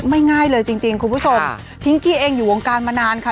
ง่ายเลยจริงจริงคุณผู้ชมพิงกี้เองอยู่วงการมานานค่ะ